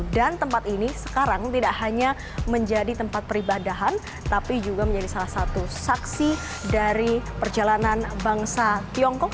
dan tempat ini sekarang tidak hanya menjadi tempat peribadahan tapi juga menjadi salah satu saksi dari perjalanan bangsa tiongkok